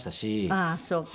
ああそうか。